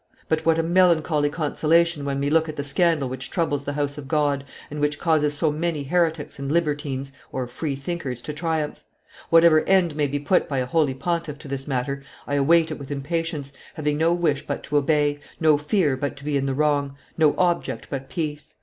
But what a melancholy consolation when we look at the scandal which troubles the house of God, and which causes so many heretics and libertines (free thinkers) to triumph! Whatever end may be put by a holy pontiff to this matter, I await it with impatience, having no wish but to obey, no fear but to be in the wrong, no object but peace.